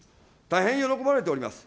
大変喜ばれております。